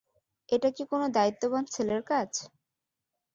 এটা কি কোনো দায়িত্ববান ছেলের কাজ?